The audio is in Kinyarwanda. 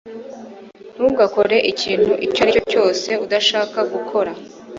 Ntugakore ikintu icyo ari cyo cyose udashaka gukora